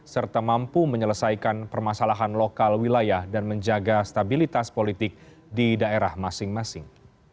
serta mampu menyelesaikan permasalahan lokal wilayah dan menjaga stabilitas politik di daerah masing masing